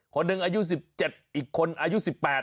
คนหนึ่งอายุ๑๗อีกคนอายุ๑๘